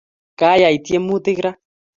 Kayai tiemutik raa